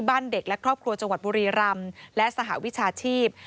บ้านเด็กและครอบครัวจังหวัดบุรีรำและสหวิชาชีพ